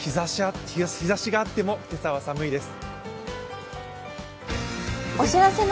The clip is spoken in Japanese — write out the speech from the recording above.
日ざしがあっても今朝は寒いです。